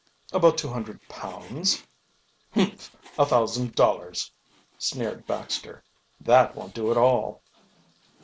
"About two hundred pounds." "Humph, a thousand dollars!" sneered Baxter. "That won't do at all."